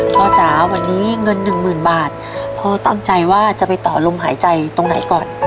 จ๋าวันนี้เงินหนึ่งหมื่นบาทพ่อตั้งใจว่าจะไปต่อลมหายใจตรงไหนก่อน